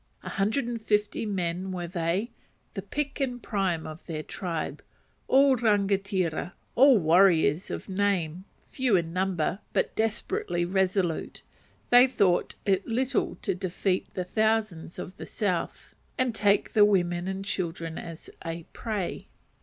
A hundred and fifty men were they the pick and prime of their tribe. All rangatira, all warriors of name, few in number, but desperately resolute, they thought it little to defeat the thousands of the south, and take the women and children as a prey!